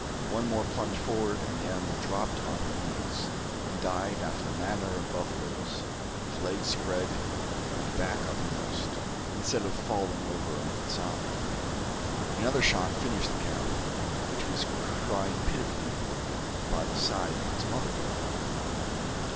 One more plunge forward and the animal dropped on her knees, and died after the manner of buffaloes, with legs spread and back uppermost, instead of falling over on its side. Another shot finished the calf, which was crying pitifully by the side of its mother.